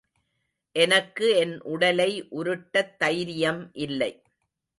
எனக்கு என் உடலை உருட்டத் தைரியம் இல்லை.